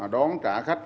đón trả khách